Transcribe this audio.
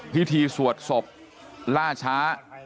พิธีสวดศพล่าช้า